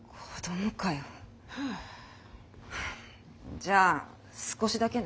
じゃあ少しだけね。